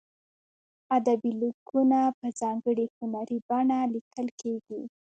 ادبي لیکونه په ځانګړې هنري بڼه لیکل کیږي.